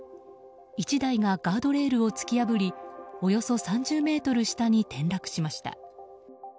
１台がガードレールを突き破りおよそ３０ｍ下に転落しました。